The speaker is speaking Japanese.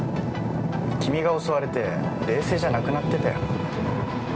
君が襲われて、冷静じゃなくなってたよ。